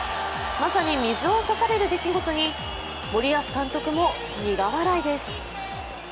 まさに水を差される出来事に森保監督も苦笑いです。